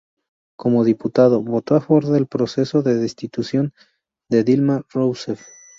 Como diputado, votó a favor del proceso de Destitución de Dilma Rousseff.